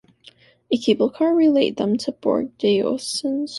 A cable car relayed them to Bourg-d'Oisans.